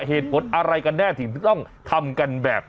เปิดไฟขอทางออกมาแล้วอ่ะ